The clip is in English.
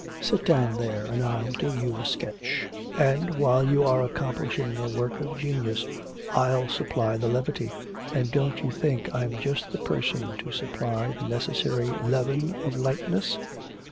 Sit down there and I'll do you a sketch.' 'And, while you are accomplishing a work of genius, I'll supply the levity, and don't you think I'm just the person to supply the necessary leaven of lightness?